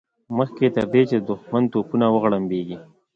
مخکې تر دې چې د دښمن توپونه وغړمبېږي.